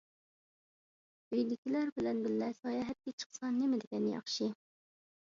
ئۆيدىكىلەر بىلەن بىللە ساياھەتكە چىقسا نېمىدېگەن ياخشى!